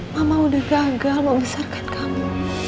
mama udah gagal membesarkan kamu